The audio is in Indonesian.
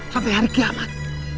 sampai hari kiamat